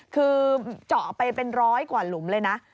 คือเจาะไปเป็นร้อยกว่าหลุมเลยนะ